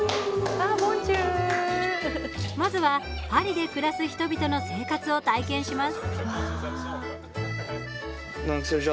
まずはパリで暮らす人々の生活を体験します。